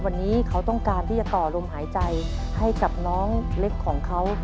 วันนี้เขาต้องการที่จะต่อลมหายใจให้กับน้องเล็กของเขา